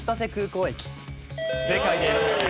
正解です。